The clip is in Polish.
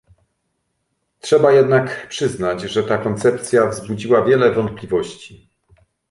Trzeba jednak przyznać, że ta koncepcja wzbudziła wiele wątpliwości